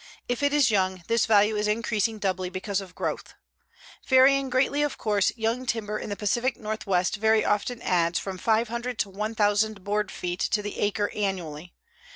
If it is young, this value is increasing doubly because of growth. Varying greatly, of course, young timber in the Pacific Northwest very often adds from 500 to 1,000 board feet to the acre annually.